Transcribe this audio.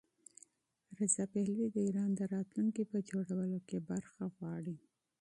رضا پهلوي د ایران د راتلونکي په جوړولو کې برخه غواړي.